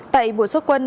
tại buổi xuất quân